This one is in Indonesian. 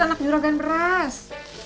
anak juragan beras